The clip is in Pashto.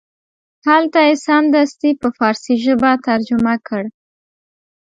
هلته یې سمدستي په فارسي ژبه ترجمه کړ.